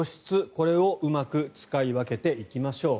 これをうまく使い分けていきましょう。